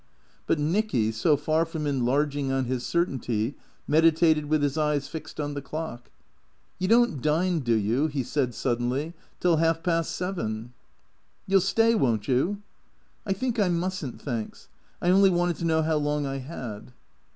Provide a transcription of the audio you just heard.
But Nicky, so far from enlarging on his certainty, meditated with his eyes fixed on the clock. "You don't dine, do you," he said suddenly, "till half past seven ?"" You '11 stay, won't you ?"" I think I must n't, thanks. I only wanted to know how long I had."